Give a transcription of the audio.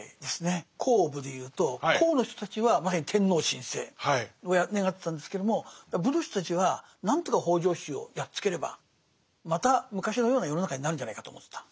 「公」「武」で言うと「公」の人たちはまさに天皇親政を願ってたんですけども「武」の人たちは何とか北条氏をやっつければまた昔のような世の中になるんじゃないかと思ってた。